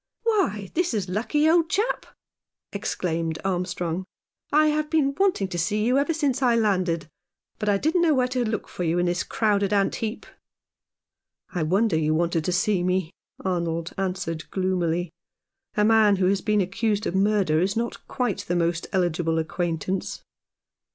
" Why, this is lucky, old chap !" exclaimed Armstrong. " I have been wanting to see you ever since I landed, but I didn't know where to look for you in this crowded ant heap." " I wonder you wanted to see me," Arnold answered gloomily. "A man who has been accused of murder is not quite the most eligible acquaintance."